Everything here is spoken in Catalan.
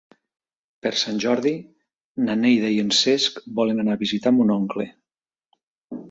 Per Sant Jordi na Neida i en Cesc volen anar a visitar mon oncle.